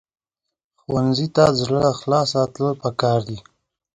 ښوونځی ته د زړه له اخلاصه تلل پکار دي